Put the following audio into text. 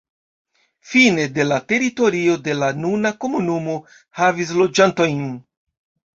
Fine de la teritorio de la nuna komunumo havis loĝantojn.